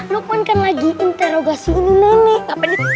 lukman kan lagi interogasi nenek